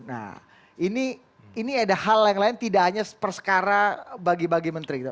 nah ini ada hal yang lain tidak hanya perkara bagi bagi menteri gitu